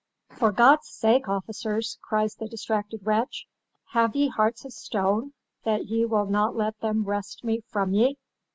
'For God's sake, officers,' cries the distracted wretch, 'have ye hearts of stone, that ye will not let them wrest me from ye?